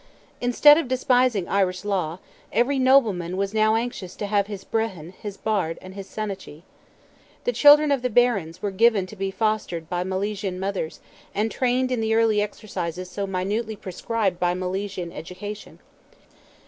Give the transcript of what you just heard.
Instead of despising Irish law, every nobleman was now anxious to have his Brehon, his Bard, and his Senachie. The children of the Barons were given to be fostered by Milesian mothers, and trained in the early exercises so minutely prescribed by Milesian education.